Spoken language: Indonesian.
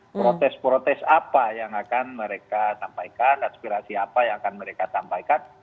protes protes apa yang akan mereka sampaikan aspirasi apa yang akan mereka sampaikan